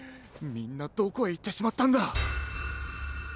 みんなどこへいってしまったんだ。